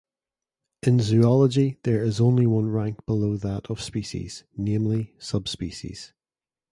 In zoology there is only one rank below that of species, namely "subspecies".